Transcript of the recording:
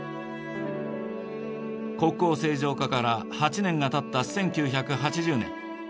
国交正常化から８年が経った１９８０年。